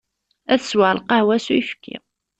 Ad sweɣ lqahwa s uyefki.